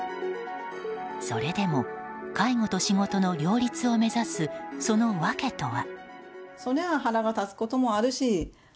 それでも介護と仕事の両立を目指す、その訳とは。